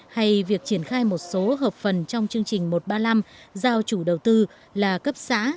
hay việc triển khai một số hợp phần trong chương trình một trăm ba mươi năm giao chủ đầu tư là cấp xã